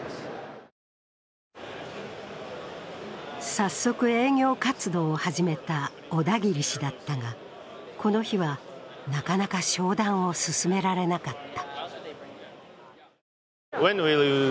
早速、営業活動を始めた小田切氏だったが、この日は、なかなか商談を進められなかった。